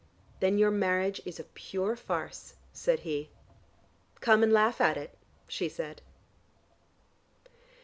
"Then your marriage is a pure farce," said he. "Come and laugh at it," she said.